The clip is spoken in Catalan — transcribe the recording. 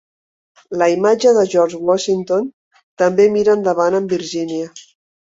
La imatge de George Washington també mira endavant amb Virginia.